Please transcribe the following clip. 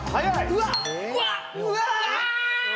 うわっ！